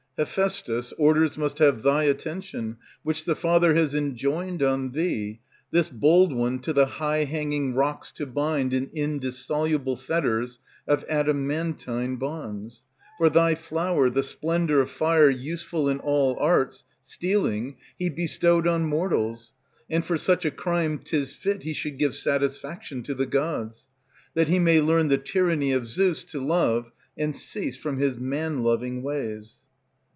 Hephaistus, orders must have thy attention, Which the Father has enjoined on thee, this bold one To the high hanging rocks to bind In indissoluble fetters of adamantine bonds. For thy flower, the splendor of fire useful in all arts, Stealing, he bestowed on mortals; and for such A crime 't is fit he should give satisfaction to the gods; That he may learn the tyranny of Zeus To love, and cease from his man loving ways.